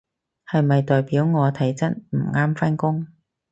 係咪代表我體質唔啱返工？